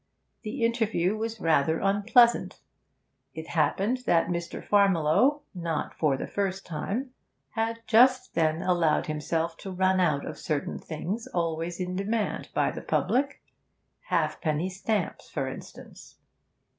The interview was unpleasant. It happened that Mr. Farmiloe (not for the first time) had just then allowed himself to run out of certain things always in demand by the public halfpenny stamps, for instance.